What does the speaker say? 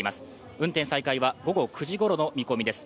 運転再開は午後９時ごろの見込みです。